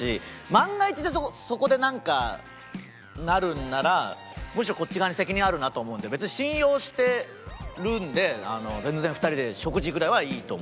万が一でそこでなんかなるんならむしろこっち側に責任あるなと思うんで別に信用してるんで全然２人で食事ぐらいはいいと思いますね。